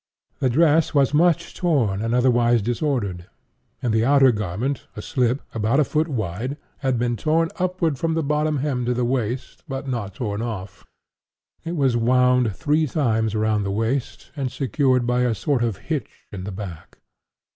The dress was much torn and otherwise disordered. In the outer garment, a slip, about a foot wide, had been torn upward from the bottom hem to the waist, but not torn off. It was wound three times around the waist, and secured by a sort of hitch in the back.